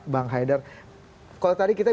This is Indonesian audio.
bang haidar kalau tadi kita